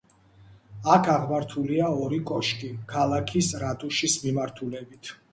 აქ აღმართულია ორი კოშკი–ქალაქის რატუშის მიმართულებით.